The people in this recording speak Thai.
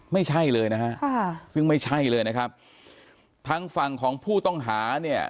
ไม่ใช่เลยนะฮะค่ะซึ่งไม่ใช่เลยนะครับทางฝั่งของผู้ต้องหาเนี่ย